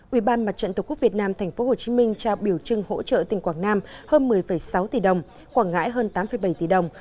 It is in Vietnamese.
ubnd tqvnhh trao biểu trưng hỗ trợ tỉnh quảng nam hơn một mươi sáu tỷ đồng quảng ngãi hơn tám bảy tỷ đồng